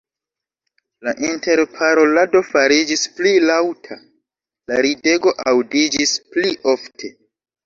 La interparolado fariĝis pli laŭta, la ridego aŭdiĝis pli ofte.